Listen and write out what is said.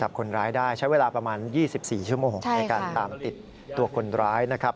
คนร้ายได้ใช้เวลาประมาณ๒๔ชั่วโมงในการตามติดตัวคนร้ายนะครับ